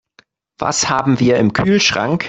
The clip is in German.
Was haben wir im Kühlschrank?